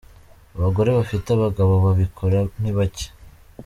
Abagore bafite abagabo babikora ni bake.